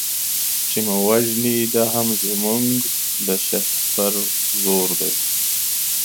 چي مو وژني دا هم زموږ د شهپر زور دی